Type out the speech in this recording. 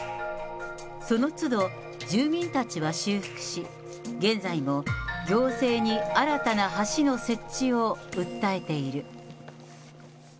その都度、住民たちは修復し、現在も行政に新たな橋の設置を訴えている。